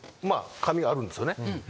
髪があるんですよね。